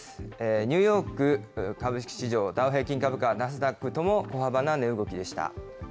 ニューヨーク株式市場、ダウ平均株価、ナスダックとも小幅な値動